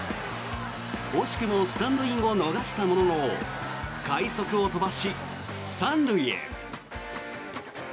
惜しくもスタンドインを逃したものの快足を飛ばし、３塁へ。